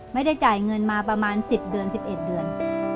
ไม่ได้จ่ายเงินมาประมาณ๑๐เดือน๑๑เดือน